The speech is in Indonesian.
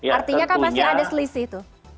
artinya kan masih ada selisih itu